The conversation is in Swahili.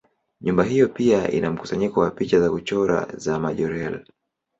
Nyumba hiyo pia ina mkusanyiko wa picha za kuchora za Majorelle.